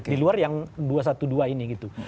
di luar yang dua ratus dua belas ini gitu